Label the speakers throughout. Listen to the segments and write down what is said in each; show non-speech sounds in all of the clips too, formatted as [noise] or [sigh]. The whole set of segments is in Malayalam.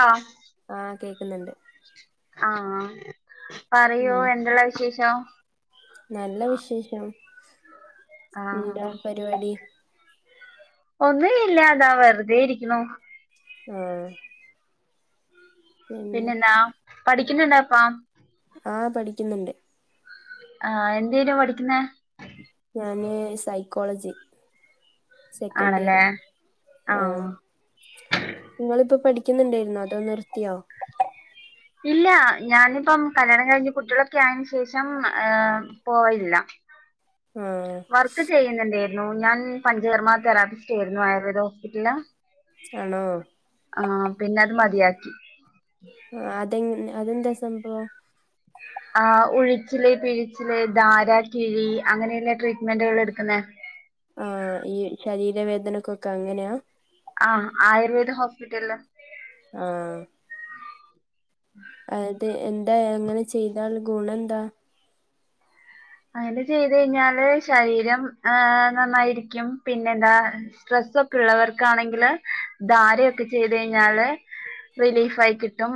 Speaker 1: ആഹ്
Speaker 2: ആഹ് കേക്ക്ന്ന്ണ്ട്
Speaker 1: ആഹ്
Speaker 2: ഉം
Speaker 1: പറയൂ എന്തുള്ള വിശേഷം
Speaker 2: നല്ല വിശേഷം എന്താ
Speaker 1: ആഹ്
Speaker 2: പരിപാടി
Speaker 1: ഒന്നുവില്ലാതാ വറ്തെ ഇരിക്ക്ണു
Speaker 2: ആഹ് പിന്നെ
Speaker 1: പിന്നെന്താ പഠിക്കിന്നിണ്ടോ ഇപ്പം
Speaker 2: ആഹ് പഠിക്കുന്നുണ്ട്
Speaker 1: ആഹ് എന്തേനു പഠിക്ക്ന്നെ
Speaker 2: ഞാന് സൈക്കോളജി സെക്കൻഡ് ഇയർ
Speaker 1: ആണല്ലേ ആഹ്
Speaker 2: ഇങ്ങളിപ്പ പഠിക്കിന്നിണ്ടായ്ര്ന്നോ അതോ നിർത്ത്യോ
Speaker 1: ഇല്ല ഞാനിപ്പം കല്യാണം കഴിഞ്ഞ് കുട്ട്യോളൊക്കെ ആയൻ ശേഷം ഏഹ് പോവല്ല
Speaker 2: ഉം
Speaker 1: ചെയ്യുന്നുണ്ടേര്ന്നു ഞാൻ പഞ്ചകർമ്മ തെറാപ്പിസ്റ്റേര്ന്നു ആയുർവേദ ഹോസ്പിറ്റല്ല
Speaker 2: ആണോ
Speaker 1: ആഹ് പിന്നെ അത് മതിയാക്കി
Speaker 2: ആ അതെ അതെന്താ സംഭവം
Speaker 1: ആഹ് ഉഴിച്ചില് പിഴിച്ചില് ധാര കിഴി അങ്ങനെള്ള ട്രീറ്റ്മെന്റാള് എട്ക്ക്ന്നെ
Speaker 2: ആഹ് ഈ ശരീരവേദനൊക്കൊക്ക അങ്ങനെയാ
Speaker 1: ആഹ് ആയുർവേദ ഹോസ്പിറ്റല്ല്
Speaker 2: ആഹ് അതെ എൻ ന്താ, അങ്ങനെ ചെയ്താൽ ഗുണന്താ?
Speaker 1: അങ്ങനെ ചെയ്ത് കഴിഞ്ഞാല് ശരീരം അഹ്‌ നന്നായിരിക്കും പിന്നെന്താ സ്ട്രെസ്സൊക്കെ ഇള്ളവർക്കാണെങ്കില് ധാരയൊക്കെ ചെയ്ത് കഴിഞ്ഞാല് റിലീഫായി കിട്ടും.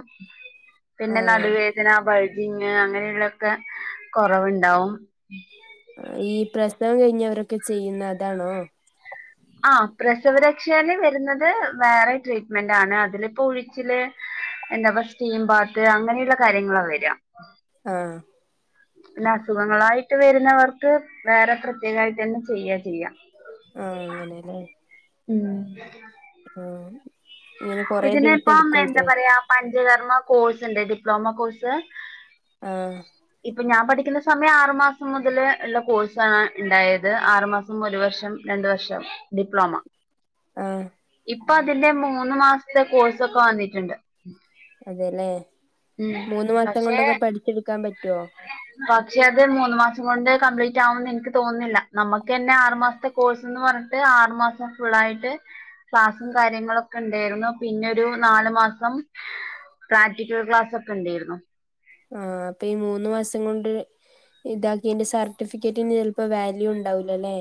Speaker 1: പിന്നെ
Speaker 2: ആഹ്
Speaker 1: നടുവേദന ബൾജിങ്ങ് അങ്ങനെയുള്ളേക്കെ കൊറവ്ണ്ടാവും
Speaker 2: ഈ പ്രസവം കഴിഞ്ഞവരൊക്കെ ചെയ്യുന്ന അതാണോ?
Speaker 1: ആഹ് പ്രസവ രക്ഷേല് വരുന്നത് വേറെ ട്രീറ്റ്മെന്റ് ആണ് അതിലിപ്പോ ഉഴിച്ചില് എന്താപ്പ സ്റ്റീം ബാത്ത് അങ്ങനെള്ള കാര്യങ്ങളാ വരാ
Speaker 2: ആഹ്
Speaker 1: പിന്നെ അസുഖങ്ങളായിട്ട് വരുന്നവർക്ക് വേറെ പ്രത്യേകായിട്ടന്നെ ചെയ്യേ ചെയ്യ
Speaker 2: ആഹ് അങ്ങനെല്ലേ
Speaker 1: ഉം.
Speaker 2: ആഹ് ഇങ്ങനെ കൊറേ ദിവസം
Speaker 1: ഇതിനിപ്പം
Speaker 2: എടുക്കോ
Speaker 1: എന്താ
Speaker 2: ഇത്
Speaker 1: പറയാ പഞ്ചകർമ്മ കോഴ്സ്ണ്ട് ഡിപ്ലോമ കോഴ്സ്
Speaker 2: ആഹ്
Speaker 1: ഇപ്പൊ ഞാൻ പഠിക്കുന്ന സമയം ആറുമാസം മുതല് ഇള്ള കോഴ്സാണ് ഇണ്ടായത് ആറു മാസ സം ഒരു വർഷം രണ്ട് വർഷം ഡിപ്ലോമ.
Speaker 2: ആഹ്
Speaker 1: ഇപ്പൊ അതിന്റെ മൂന്ന് മാസത്തെ കോഴ്സ് ഒക്കെ വന്നിട്ടുണ്ട്.
Speaker 2: അതെല്ലേ
Speaker 1: ഉം
Speaker 2: മൂന്ന് മാസം
Speaker 1: പക്ഷെ
Speaker 2: കൊണ്ടൊക്ക പഠിച്ചെടുക്കാൻ പറ്റൊ?
Speaker 1: പക്ഷെ അത് മൂന്ന് മാസം കൊണ്ട് കംപ്ലീറ്റ് ആവുംന്ന് എനിക്ക് തോന്നുന്നില്ല നമ്മക്കന്നെ ആറുമാസത്തെ കോഴ്സ്ന്ന് പറഞ്ഞിട്ട് ആറു മാസം ഫുള്ളായിട്ട് ക്ലാസും കാര്യങ്ങളൊക്കെ ഇണ്ടായിരുന്നു പിന്നെ ഒരു നാലു മാസം പ്രാക്ടിക്കൽ ക്ലാസ് ഒക്കെ ഇണ്ടേർന്നു.
Speaker 2: ആഹ് അപ്പ ഈ മൂന്ന് മാസം കൊണ്ട് ഇതാക്കിയേന്റെ സർട്ടിഫിക്കറ്റിന് ചെലപ്പോ വാല്യൂ ഉണ്ടാവൂലല്ലേ?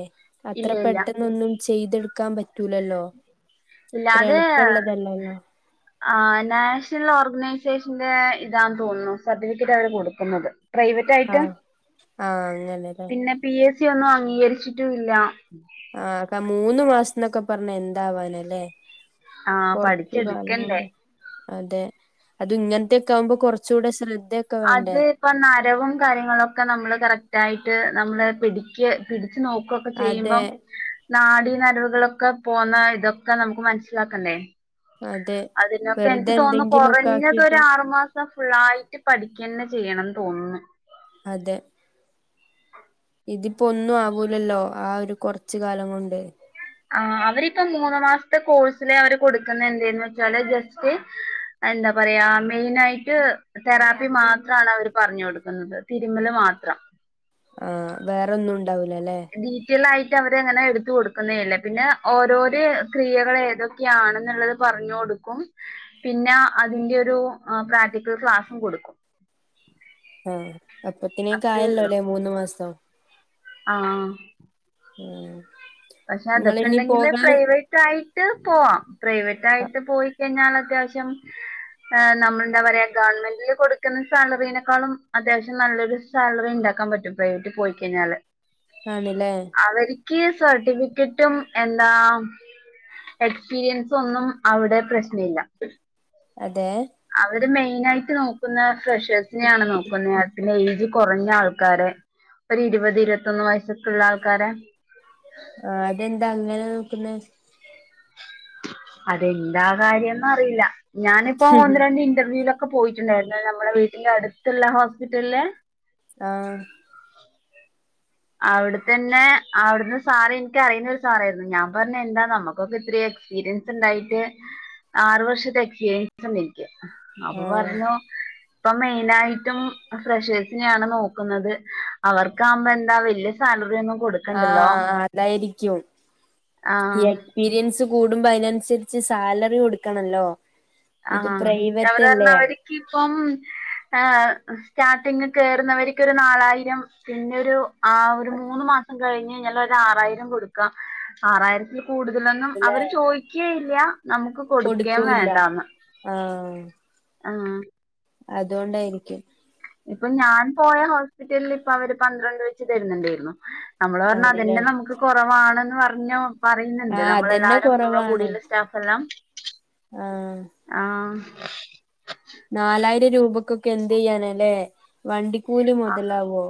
Speaker 2: അത്ര
Speaker 1: ഇല്ല ഇല്ല
Speaker 2: പെട്ടെന്നൊന്നും ചെയ്തെടുക്കാൻ പറ്റൂലല്ലോ?
Speaker 1: ഇല്ല
Speaker 2: ഇത്ര
Speaker 1: അത്
Speaker 2: എളുപ്പമുള്ളതല്ലല്ലോ
Speaker 1: ആഹ് നാഷണൽ ഓർഗനൈസേഷന്റെ ഇതാന്ന് തോന്നുന്നു സർട്ടിഫിക്കറ്റ് അവര് കൊടുക്കുന്നത് പ്രൈവ റ്റായിട്ട്
Speaker 2: ആഹ് ആഹ് അങ്ങനെല്ലേ
Speaker 1: പിന്നെ പി എസ് സി ഒന്നും അംഗീകരിച്ചിട്ടും ഇല്ല
Speaker 2: ആഹ് ആക മൂന്ന് മാസം എന്നൊക്കെ പറഞ്ഞ എന്താവാനാല്ലേ?
Speaker 1: ആ
Speaker 2: കൊറച്ച് കാലം
Speaker 1: പഠിച്ചെടുക്കണ്ടേ
Speaker 2: കൊണ്ടേ അതെ അത് ഇങ്ങനത്തേക്ക ആവുമ്പോ കൊറച്ചൂടെ ശ്രദ്ധേ
Speaker 1: അത് ഇപ്പൊന്ന് അരവും കാര്യങ്ങളൊക്കെ നമ്മള് കറക്റ്റായിട്ട് നമ്മള് പിടിക് പിടിച്ച് നോക് ക്കുവക്കേ
Speaker 2: അതെ
Speaker 1: ചെയ്യുമ്പം നാഡി നരമ്പുകളൊക്ക പോന്ന ഇതൊക്കെ നമുക്ക് മനസ്സിലാക്കണ്ടേ
Speaker 2: അതെ
Speaker 1: അതിനൊക്കെ
Speaker 2: വെറുതെ
Speaker 1: എനിക്ക് തോന്നുന്നു
Speaker 2: എന്തെങ്കിലുമൊക്കെ
Speaker 1: കൊറഞ്ഞത് ഒരു
Speaker 2: ആക്കിട്ട്
Speaker 1: ആറുമാസ് ത്ത ഫുള്ളായിട്ട് പഠിക്കന്നെ ചെയ്യണംന്ന് തോന്നുന്നു
Speaker 2: അതെ. ഇതിപ്പോ ഒന്നും ആവൂലല്ലോ ആ ഒരു കൊറച്ച് കാലം കൊണ്ട്.
Speaker 1: ആഹ് അവരിപ്പ മൂന്ന് മാസത്തെ കോഴ്സില് അവര് കൊടുക്കുന്ന എന്തേന്ന് വെച്ചാല് ജസ്റ്റ് എന്താ പറയാ മെയിനായിട്ട് തെറാപ്പി മാത്രാണ് അവര് പറഞ്ഞു കൊടുക്കുന്നത് തിരുമല് മാത്രം
Speaker 2: ആഹ് വേറൊന്നും ഉണ്ടാവൂലല്ലേ
Speaker 1: ഡീറ്റൈൽ ആയിട്ട് അവരങ്ങനെ എടുത്ത കൊടുക്കുന്നേ അല്ലേ പിന്നെ ഓരോര ക്രിയകൾ ഏതൊ ക്കെയാണെന്നുള്ളത് പറഞ്ഞു കൊടുക്കും പിന്നെ അതിന്റെ ഒരു ആഹ് പ്രാക്ടിക്കൽ ക്ലാസും കൊടുക്കും
Speaker 2: ആഹ് അപ്പൊത്തിനേക്കു
Speaker 1: അത്രേ
Speaker 2: ആയല്ലോ
Speaker 1: ഉള്ളൂ
Speaker 2: ല്ലേ മൂന്ന് മാസം
Speaker 1: ആഹ്
Speaker 2: ഉം ഹ്
Speaker 1: പക്ഷെ അതൊക്കെ ണ്ടെങ്കിലെ പ്രൈവ റ്റായിട്ട് പോവാം. പ്രൈവറ്റായിട്ട് പോയി കഴിഞ്ഞാൽ അത്യാവശ്യം ആഹ് നമ്മളെന്താ പറയാ ഗവൺമെന്റിൽ കൊടുക്കുന്ന സാലറിനെക്കാളും അത്യാവശ്യം നല്ലൊരു സാലറി ഇണ്ടാക്കാൻ പറ്റും. പ്രൈവറ്റിൽ പോയി കഴിഞ്ഞാല്.
Speaker 2: ആണ് ല്ലേ
Speaker 1: അവര്ക്കി സർട്ടിഫിക്കറ്റും എന്താ എക്സ്പീരിയൻസ് ഒന്നും അവിടെ പ്രശ്നില്ല.
Speaker 2: അതെ
Speaker 1: അവര് മെയിൻ ആയിട്ട് നോക്കുന്നത് ഫ്രഷേഴ്സിനെയാണ് നോക്കുന്നത്ത്. പിന്നെ ഏയ്ജ് കൊറഞ്ഞ ആൾക്കാരെ ഒരു ഇരുപത് ഇരുവത്തൊന്ന് വയസ്സക്കുള്ള ആൾക്കാരെ
Speaker 2: ആഹ് അതെന്താ അങ്ങനെ നോക്കുന്നെ
Speaker 1: അതെന്താ കാര്യംന്ന് അറിയില്ല. ഞാനിപ്പോ ഒന്ന് രണ്ട് ഇൻ ന്റർവ്യൂലൊക്കെ പോയിട്ടുണ്ടായിരുന്നു. നമ്മുടെ വീട്ടിന്റെ അടുത്തുള്ള ഹോസ്പിറ്റലിലെ
Speaker 2: ആഹ്
Speaker 1: അവിടെത്തന്നെ അവിടുന്ന് സാറ് എനിക്ക് അറിയുന്നൊരു സാറായിരുന്നു ഞാൻ പറഞ്ഞ് എന്താ നമ്മുക്കൊക്കെ ഇത്തിരി എക്സ്പീരിയൻസ് സ്ൻ്റായിട്ട് ആറു വർഷത്തെ എക്സ്പീരിയൻസുണ്ടെനിക്ക് അപ്പൊ
Speaker 2: ആഹ്
Speaker 1: പറഞ്ഞു ഇപ്പൊ മെയിനായിട്ടും ഫ്രഷേഴ്സിനെയാണ് നോക്കുന്നത് അവർക്കവുമ്പോ എ ന്താച്ച വല്ല്യ സാലറി ഒന്നും കൊടുക്ക
Speaker 2: ആഹ് അതായിരിക്കും
Speaker 1: ആഹ്
Speaker 2: യീഎക് സ്പീരിയൻസ് കൂടുമ്പോ അതിനനുസരിച്ച് സാലറി കൊടുക്കണല്ലോ. ഇത്
Speaker 1: ആഹ് എവട
Speaker 2: പ്രൈവറ്റ്
Speaker 1: ഇളെ
Speaker 2: അല്ലേ
Speaker 1: അവർക്ക് പ്പം ആഹ് സ്റ്റാർട്ടിങ് കേറുന്നവർക്ക് ഒരു നാലായിരം പിന്നെ ഒരു ആഹ് ഒരു മൂന്ന് മാസം കഴിഞ്ഞഴിഞ്ഞാൽ ഒര് ആറായിരം കൊടുക്കാം. ആറായിരത്തിൽ കൂടുതലൊന്നും അവര് ചോയ്ക്കേ ല്യ നമുക്ക്
Speaker 2: കൊടുക്കൂ
Speaker 1: കൊടുക്കുകയും
Speaker 2: ല്ല
Speaker 1: വേണ്ടാന്ന്
Speaker 2: ആഹ്
Speaker 1: ആഹ്
Speaker 2: അതോണ്ടായിരിക്കും.
Speaker 1: ഇപ്പം ഞാൻ പോയ ഹോസ്പിറ്റലില് ഇപ്പൊ അവര് പന്ത്രണ്ട് വെച്ച് തരുന്നുണ്ടായിരുന്നു. നമ്മള് പറഞ്ഞ്
Speaker 2: ആണ്ല്ലേ
Speaker 1: അതെന്നെ നമുക്ക് കൊറവാണെന്ന് പറഞ്ഞു. പറയുന്നുണ്ട്.
Speaker 2: ആഹ് അതന്നെ
Speaker 1: നമ്മളെല്ലാരും നമ്മളെ
Speaker 2: കൊറവാണ്
Speaker 1: കൂടിള്ള സ്റ്റാഫ് എല്ലാം
Speaker 2: ആഹ്
Speaker 1: ആഹ്
Speaker 2: നാലായിരം രൂപക്കൊക്കെ എന്ത യ്യാനാലേ വണ്ടിക്കൂലി മൊതലാവോ?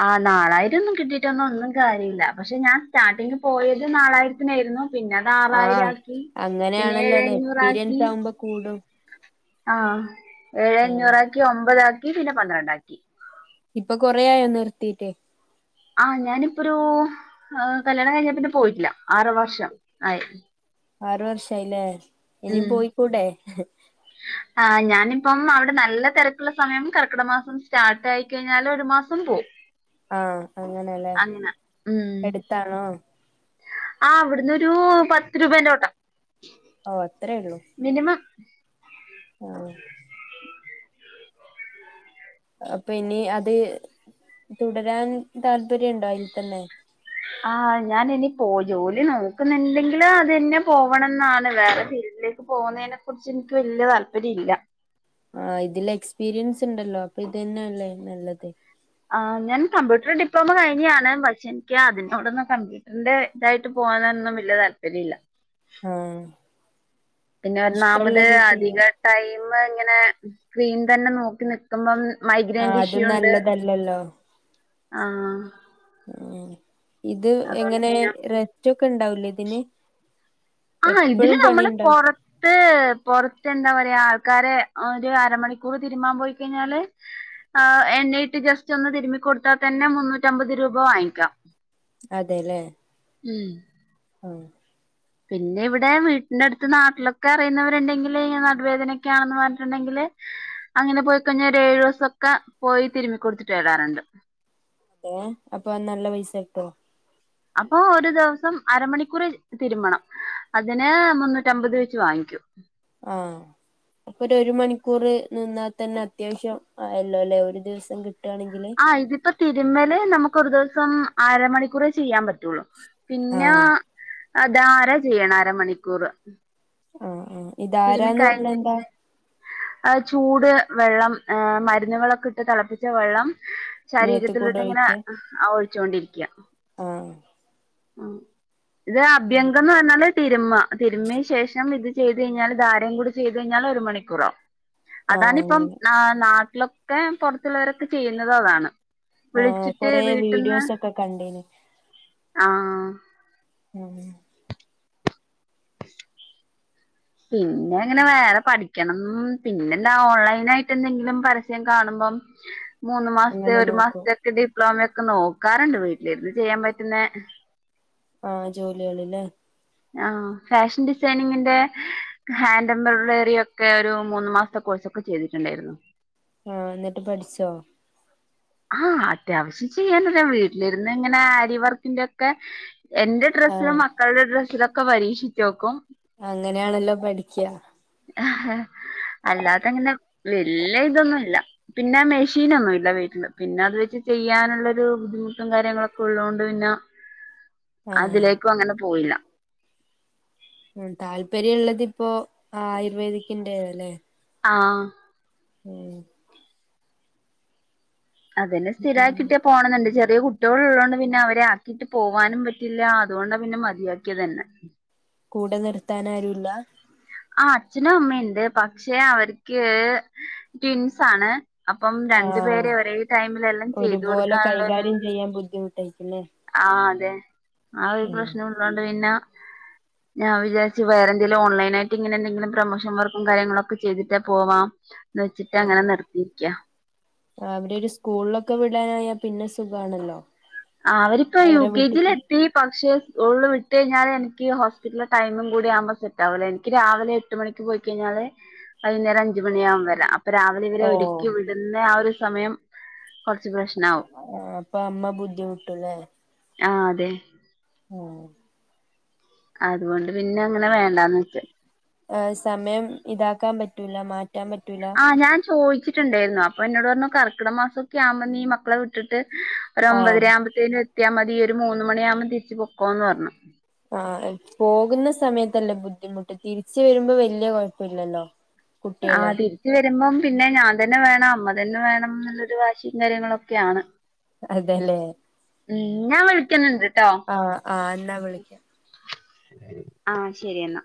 Speaker 1: ആഹ് നാലായിരൊന്നും കിട്ടിട്ടൊന്നും ഒന്നും കാര്യല്ല. പക്ഷെ ഞാൻ സ്റ്റാർട്ടിംഗ് പോയത് നാലായിരത്തിനായിരുന്നു പിന്നെ
Speaker 2: ആഹ്
Speaker 1: ആറായിരാക്കി പിന്നെ ഏഴേ
Speaker 2: അങ്ങനെയാണല്ലോല്ലേ
Speaker 1: അഞ്ഞൂറാക്കി.
Speaker 2: എക്സ്പീരിയൻസ് ആവുമ്പോ കൂടും
Speaker 1: ആഹ് ഏഴേ
Speaker 2: ആഹ്
Speaker 1: അഞ്ഞൂറാക്കി ഒമ്പതാക്കി പിന്നെ പന്ത്രണ്ട് ആക്കി
Speaker 2: ഇപ്പൊ കൊറെ ആയോ നിർത്തിട്ട്
Speaker 1: ആഹ് ഞാനിപ്പൊ ഒരു എഹ് കല്യാണം കഴിഞ്ഞേ പിന്നെ പോയിട്ടില്ല ആറ് വർഷം ആയി
Speaker 2: ആറു വർഷായില്ലേ ഇനീം പോയി കൂടെ
Speaker 1: ആഹ് ഞാനിപ്പം അവടെ നല്ല തെരക്കുള്ള സമയം കർക്കട മാസം സ്റ്റാർട്ട് ആയിക്കഴിഞ്ഞാല് ഒരു മാസം പോവും.
Speaker 2: ആഹ് അങ്ങനെല്ലേ
Speaker 1: അങ്ങനെ
Speaker 2: എടുത്താണോ?
Speaker 1: ആഹ് ഇവിടന്നൊരു പത്ത് രൂപേൻ്റെ ഓട്ടം
Speaker 2: ഓ അത്രേ ഉള്ളൂ
Speaker 1: മിനിമം
Speaker 2: ആഹ് അപ്പ ഇനിഅത് തുടരാൻ താല്പര്യണ്ടോ അയിൽതന്നെ
Speaker 1: ആഹ് ഞാനിനിപോ ജോലി- നോക്കുന്നില്ലെങ്കില്അതന്നെ- പോവണംന്നാണ് വേറെവില്- പോകുന്നയിനെ കുറിച്ച്ഇനിക്ക് വല്ല്യതാല്പര്യംഇല്ല.
Speaker 2: ആഹ് ഇതില്എക്സ്പീരിയൻസ്ണ്ടല്ലോ, അപ്പോ ഇത് ന്നെല്ലേനല്ലത്.
Speaker 1: ആഹ്ഞാൻകമ്പ്യൂട്ടർഡി്പ്ലോമ കഴിഞ്ഞാണ്പഷേ, ഇനിക്ക്അതിനോടൊന്ന- കമ്പ്യൂട്ടറിന്റെതായിട്ട്- പോകാനൊന്നുംവലിയതാല്പര്യല്ല്യ.
Speaker 2: ആഹ്.
Speaker 1: പിന്നൊന്നാമത്
Speaker 2: ഇഷ്ടള്ളത് ചെയ്യാം
Speaker 1: അധികടൈം ഇങ്ങനെസ്ക്രീൻതന്നെനോക്കിന-
Speaker 2: ആഹ്
Speaker 1: നക്കുമ്പംമൈഗ്രന്റെ
Speaker 2: അതും
Speaker 1: ഇഷ്യൂണ്ട്.
Speaker 2: നല്ലതല്ലല്ലോ
Speaker 1: ആഹ്..
Speaker 2: ഉം
Speaker 1: അതുകൊണ്ട്
Speaker 2: ഇത്എങ്ങനെ?
Speaker 1: പിന്നെ
Speaker 2: റെസ്റ്റോക്കെ ഇണ്ടാവൂലതിന്.
Speaker 1: ആഹ് ഇതില്നമ്മള്പൊറ- ത്ത്പൊറത്ത് എന്താപറയാ, ആൾക്കാരെ ഒരുഅരമണിക്കൂർ- തിരുമാൻപോയികഴിഞ്ഞാല്- ആഹ് എണ്ണീട്ട്- ജസ്റ്റോന്ന്തിരുമ്മികൊടുത്താ- തന്നെ മുന്നൂറ്റഅമ്പത് രൂപ വാങ്ങിക്കാ.
Speaker 2: അതെല്ലേ.
Speaker 1: ഉം.
Speaker 2: ആഹാ.
Speaker 1: പിന്നെവിടെ വീട്ടിന്റെടുത്ത്- നാട്ടിലൊക്കെ- അറിയുന്നവരുണ്ടെങ്കില് നടുവേദനക്കൊണെന്ന് പറഞ്ഞിട്ടുണ്ടെങ്കില് അങ്ങനെപോയിക്കഴഞ്ഞ- ഒരെഴുസൊക്കെ- പോയിതിരുമികൊടുത്തിട്ട് വരാറുണ്ട്.
Speaker 2: അഹ് അപ്പോ നല്ലപൈസകിട്ടോ.
Speaker 1: അപ്പോ ഒരുദിവസം അരമണിക്കൂർ തിരുമണം. അതിന് മുന്നൂറ്റമ്പത് വെച്ച് വാങ്ങിക്കും.
Speaker 2: ആഹ്. അപ്പോ രോരുമണിക്കൂർ നിന്നതന്നെ- അത്യാവശ്യംആയല്ലോല്ലെ? ഒരു ദിവസംകിട്ടെണെങ്കില്-
Speaker 1: ആഹ്, ഇതിപ്പോതിരുമല്നമുക്കൊരു- ദിവസംഅരമണിക്കൂറേചെയ്യാൻ പറ്റുള്ളൂ.
Speaker 2: ആഹ്
Speaker 1: പിന്നെഹ് അധാരചെയ്യണംഅര മണിക്കൂറ്.
Speaker 2: ആഹ്, ആഹ്, ഈ ധാരാന്ന്പറഞ്ഞ എന്താ?
Speaker 1: ആയ്ചൂട് വെള്ളം ഏഹ്, മരുന്നുകളൊക്കെട്ട് തെളപ്പിച്ച വെള്ളം-
Speaker 2: മേത്ത് കൂടെ
Speaker 1: ശരീരത്തില്ട്ട്ങ്ങനെ-
Speaker 2: ഒഴിക്ക
Speaker 1: ഒഴിചോണ്ടിരിക്കയ.
Speaker 2: ആഹ്.
Speaker 1: ആഹ് ഇയഅഭ്യങ്കംന്ന്പറഞ്ഞാല്. തിരുമ തിരുമയന്ശേഷംഇത്- ചെയ്തെഴിഞ്ഞാധാരയുംകൂടി- ചെയ്തെഴിഞ്ഞാ ഒരുമണിക്കൂറാകും.
Speaker 2: ആഹ് അങ്ങനെ
Speaker 1: അതാണിപ്പംനാട്ടിലൊക്കെ- പൊറത്തുള്ളവരൊക്കെചെയ്യുന്നത് താണ്. വിളിച്ചിട്ട് വീട്ടിൽന്ന്-
Speaker 2: കണ്ടേനി.
Speaker 1: ആഹ്.
Speaker 2: ആഹ്.
Speaker 1: [inaudible] പിന്നെങ്ങനെ വേറെപഠിക്കണം, പിന്നെന്താ? ഓൺലൈനായിട്ട്ന്തെങ്കിലുംപരസ്യംകാണുമ്പം-
Speaker 2: [inaudible]
Speaker 1: മൂന്ന്മാസത്തെ
Speaker 2: അങ്ങനെ നോക്കും
Speaker 1: ഒരുമാസത്തൊക്കെ- ഡിപ്ലോമഒക്കെനോക്കാറുണ്ട്. വീട്ടിലിരുന്ന്ചെയ്യാൻ പറ്റുന്നെ.
Speaker 2: ആഹ് ജോലിയെള്ല്ലേ.
Speaker 1: ആഹ്ഫാഷൻഡിസൈനിങ്ങിന്റെ. ഹാൻഡ് എംബ്രോയ്ഡറിഒക്കേരു- മൂന്ന്മാസത്തെ കോഴ്സൊക്കെ- ചെയ്തിട്ടുണ്ടായിരുന്നു.
Speaker 2: ആഹ് ഇന്നിട്ട്പഠിച്ചോ?
Speaker 1: ആഹ്, അത്യാവശ്യംചെയ്യാനറിയാ വീട്ടിലിരുന്ന്- ങ്ങനെആരിവർക്കിന്റോക്കെഎന്റെ-
Speaker 2: ആഹ്
Speaker 1: ഡ്രസ്സിലും മക്കളുടെ ഡ്രസ്സിലൊക്കെ പരീക്ഷിച്ച്നോക്കും.
Speaker 2: അങ്ങനെയാണല്ലോപഠിക്ക.
Speaker 1: അല്ലാത്തങ്ങനെവല്ല്യതൊന്നുല്ല. പിന്നെ മെഷീനൊന്നുല്ലവീട്ടില്. പിന്നെ അത് വെച്ച് ചെയ്യാനുള്ളൊരു ബുദ്ധിമുട്ടും കാര്യങ്ങളൊക്കെ ഉള്ളതുകൊണ്ട്, പിന്നെ-
Speaker 2: ആഹ്
Speaker 1: അതിലേക്കും അങ്ങനെ പോയില്ല.
Speaker 2: ഉം ട്ടാല്പര്യം ഉള്ളതിപ്പോ ആയുർവേദിക്കിന്റെണ്ല്ലെ
Speaker 1: ആഹ്
Speaker 2: ഉം
Speaker 1: അതെന്നെ
Speaker 2: പിന്നെ
Speaker 1: സ്ഥിരായിക്കിട്ടിയാ പോണന്ന്ണ്ട് ചെറിയ കു ട്ട്യാളുള്ളോണ്ട് പിന്നെ അവരെ ആക്കിയിട്ട് പോവാനും പറ്റില്ല അതുകൊണ്ടാ പിന്നെ മതിയാക്കിയതന്നെ
Speaker 2: കൂടെ നിർത്താനാരൂല്ലാ?
Speaker 1: ആഹ് അച്ഛനും അമ്മയുണ്ട് പക്ഷെ അവർക്ക് ട്വിൻസാണ് അപ്പം രണ്ടു
Speaker 2: ആഹ്
Speaker 1: പേരെ ഒരേ ടൈമിലെല്ലാം ചെയ്തു കൊടുക്കാനുള്ളരു
Speaker 2: യ്യാൻ ബുദ്ധിമുട്ടായിക്കുല്ലേ
Speaker 1: ആഹ് അതെ ആ ഒരു
Speaker 2: ഉം
Speaker 1: പ്രശ്നം ഉള്ളോണ്ട് പിന്നെ ഞാൻ വിചാരിച്ച് വേറെന്തങ്കിലു ഓൺലൈൻ ആയിട്ട് ഇങ്ങനെന്തെങ്കിലും പ്രൊമോഷൻ വർക്കു കാര്യങ്ങളൊക്കെ ചെയ്തിട്ട് പോവാം ന്ന് വെച്ചിട്ട് അങ്ങനെ നിർത്തിയിരിക്ക
Speaker 2: ആഹ് അവരെരു സ്കൂള്ളൊക്കെ വിടാനായാ പിന്നെ സുഖാണല്ലോ
Speaker 1: ആഹ് അവരിപ്പ യു
Speaker 2: അവരെ
Speaker 1: കെ ജി ലെ
Speaker 2: വിട്ടിട്ട്
Speaker 1: ഈ പക്ഷേ സ്കൂള്ള് വിട്ട് കഴിഞ്ഞാല് എനിക്ക് ഹോസ്പിറ്റലിലെ ടൈമും കൂടി ആവുമ്പോ സെറ്റ് ആവൂല എനിക്ക് രാവിലെ ട്ട് മണിക്ക് പോയി കഴിഞ്ഞാല് വൈകുന്നേരം അഞ്ച് മണി ആകും വരാ അ പ്പൊ രാവിലെ ഇവരെ ഒരുക്കി
Speaker 2: ഓഹ്
Speaker 1: വിടുന്ന ആ ഒരു സമയം കുറച്ച് പ്രശ്നാവു
Speaker 2: ആഹ് അപ്പൊ അമ്മ ബുദ്ധിമുട്ടുല്ലേ
Speaker 1: ആഹ് അതെ
Speaker 2: ഉം
Speaker 1: അതുകൊണ്ട് പിന്നെങ്ങനെ വേണ്ടാന്ന് വച്ചു
Speaker 2: ഏഹ് സമയം ഇതാക്കാൻ പറ്റൂല മാറ്റാൻ പറ്റൂല
Speaker 1: ആഹ് ഞാൻ ചോദിച്ചിട്ട്ണ്ടായിരുന്നു അപ്പൊ എന്നോട് പറഞ്ഞു കർക്കിട മാസൊക്കെ ആവുമ്പന്നീ മക്കളെ വിട്ടിട്ട്
Speaker 2: ആഹ്
Speaker 1: ഒരൊമ്പതരാകുമ്പത്തേനു എത്തിയാ മതീ ഒരു മൂന്ന് മണിയാവുമ്പോ തിരിച്ചു പൊക്കോന്ന് പറഞ്ഞു
Speaker 2: ആഹ് പോകുന്ന സമയത്തല്ലേ ബുദ്ധിമുട്ട് തിരിച്ച് വരുമ്പോ വല്യ കൊഴപ്പല്ലല്ലോ കുട്ടികള്
Speaker 1: ആതി രിച്ചു വരുമ്പം പിന്നെ ഞാൻ തന്നെ വേണം അമ്മ തന്നെ വേണന്നുള്ളൊരു വാശിയും കാര്യങ്ങളൊക്കെയാണ്
Speaker 2: അതെല്ലേ
Speaker 1: ഉം ഞാൻ വിളിക്കുന്നുണ്ട്ട്ടോ
Speaker 2: ആ ആ ന്നാ വിളിക്കാ
Speaker 1: ആഹ് ശരി എന്നാ